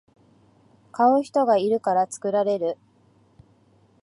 買う人がいるから作られる